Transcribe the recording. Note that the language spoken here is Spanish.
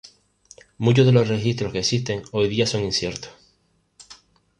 Muchos de los registros que existen hoy día son inciertos.